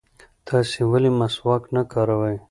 تاسې ولې مسواک نه کاروئ؟